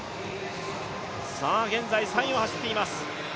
現在３位を走っています。